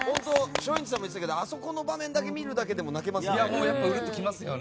松陰寺さんも言っていたけどあそこの場面を見るだけでも泣けますね。